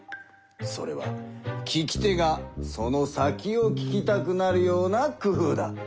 それは聞き手がその先を聞きたくなるような工ふうだ。